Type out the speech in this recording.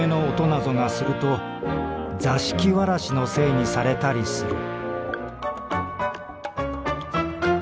なぞがすると座敷童子のせいにされたりする」。